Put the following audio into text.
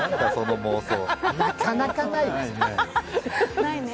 なかなかないよね。